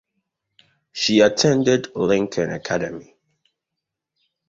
She attended Lincoln Academy.